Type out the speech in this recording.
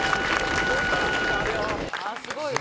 すごい。